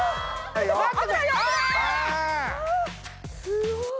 すごい！